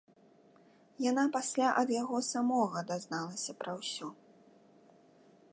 Яна пасля ад яго самога дазналася пра ўсё.